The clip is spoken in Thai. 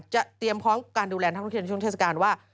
เตรียมพร้อมการดูแลนักท่องเที่ยวในช่วงเทศกาลว่า